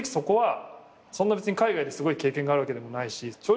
そんな別に海外で経験があるわけでもないし正直